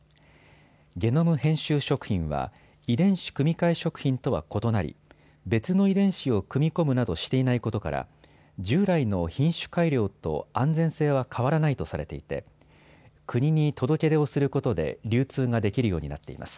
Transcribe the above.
ゲノム編集食品は遺伝子組換え食品とは異なり別の遺伝子を組み込むなどしていないことから従来の品種改良と安全性は変わらないとされていて国に届け出をすることで流通ができるようになっています。